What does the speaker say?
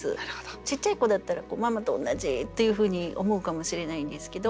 ちっちゃい子だったら「ママと同じ！」っていうふうに思うかもしれないんですけど